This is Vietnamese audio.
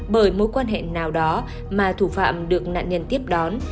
bởi mối quan hệ nào đó mà thủ phạm được nạn nhân tiếp đón